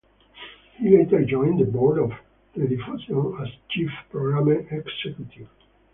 He later joined the board of Rediffusion as Chief Programme Executive.